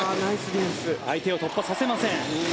相手を突破させません。